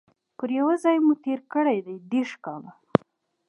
پر یوه ځای مو تیر کړي دي دیرش کاله